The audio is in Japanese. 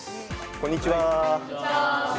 こんにちは。